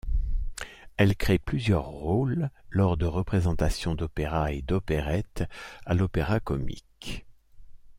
Elle crée plusieurs rôles lors de représentations d'opéra et d'opérette à l'Opéra-Comique.